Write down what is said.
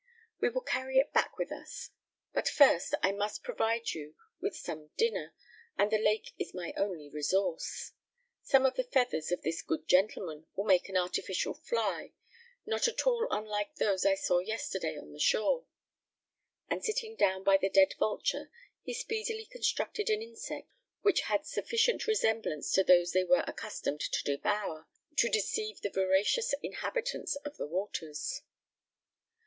We will carry it back with us; but first, I must provide you with some dinner, and the lake is my only resource. Some of the feathers of this good gentleman will make an artificial fly, not at all unlike those I saw yesterday on the shore;" and sitting down by the dead vulture, he speedily constructed an insect which had sufficient resemblance to those they were accustomed to devour, to deceive the voracious inhabitants of the waters.